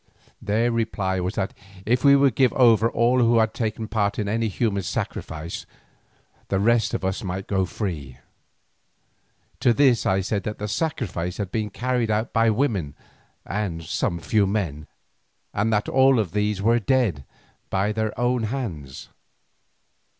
Their reply was that if we would give over all who had any part in the human sacrifice, the rest of us might go free. To this I said that the sacrifice had been carried out by women and some few men, and that all of these were dead by their own hands.